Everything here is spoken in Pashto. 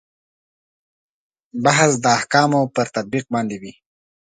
بحث د احکامو پر تطبیق باندې وي.